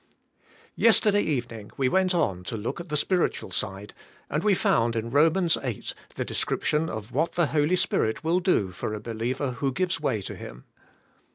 Yesterday evening we went on to look at the spiritual side and we found in Romans eight the description of what the Holy Spirit will do for a believer who gives way to Him.